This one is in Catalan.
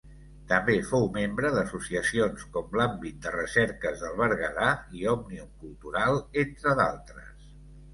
També fou membre d'associacions com l'Àmbit de Recerques del Berguedà i Òmnium Cultural, entre d'altres.